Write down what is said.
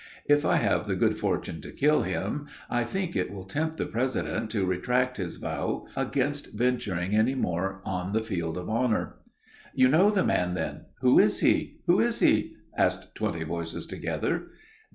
If I have the good fortune to kill him, I think it will tempt the president to retract his vow against venturing any more on the field of honor." "You know the man, then. Who is he? Who is he?" asked twenty voices together.